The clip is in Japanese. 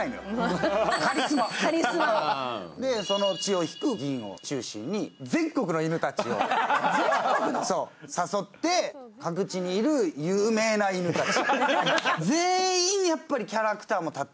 血を引く銀を中心に全国の犬たちを誘って、各地にいる有名な犬たち。